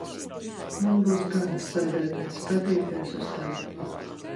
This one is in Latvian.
Man būs gana sēdēt un skatīties uz tevi.